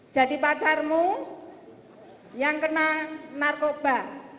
jadi pacarmu yang kena narkoba